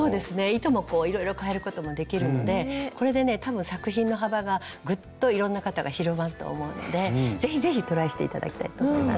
糸もいろいろ変えることもできるのでこれでね多分作品の幅がぐっといろんな方が広まると思うので是非是非トライして頂きたいと思います。